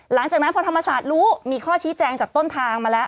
หลังจากนั้นพอธรรมศาสตร์รู้มีข้อชี้แจงจากต้นทางมาแล้ว